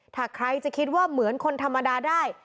ถ้าใครจะคิดว่าเหมือนคนธรรมดาได้